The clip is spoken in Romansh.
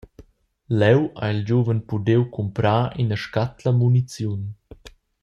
Leu ha il giuven pudiu cumprar ina scatla muniziun.